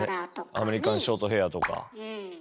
アメリカンショートヘアとか。